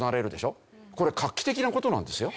これ画期的な事なんですよ。